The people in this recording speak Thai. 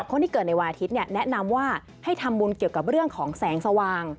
คนที่เกิดในวันอาทิตย์แนะนำว่าให้ทำบุญเกี่ยวกับเรื่องของแสงสว่าง